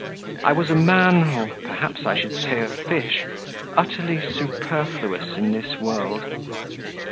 I was a man, or perhaps I should say a fish, utterly superfluous in this world.